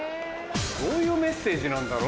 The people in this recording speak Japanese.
どういうメッセージなんだろ？